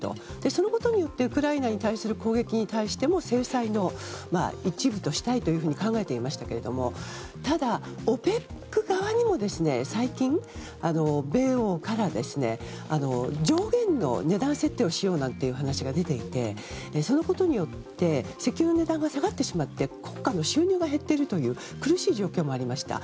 そのことによってウクライナに対する攻撃に対しての制裁の一部としたいと考えていましたけれどもただ、ＯＰＥＣ側にも最近米欧から上限の値段設定をしようなんていう話が出ていてそのことによって石油の値段が下がってしまって国家の収入が減っているという苦しい状況もありました。